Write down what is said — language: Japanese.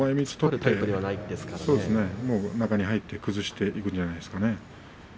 中に入って崩していくんじゃないでしょうかね。